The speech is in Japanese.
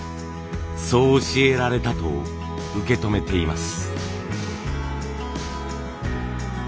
そう教えられたと受け止めています。